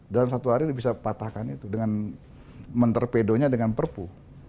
dalam satu hari bisa patahkan itu dengan menterpedonya dengan perpu